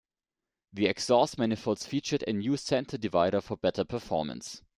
The exhaust manifolds featured a new center divider for better performance.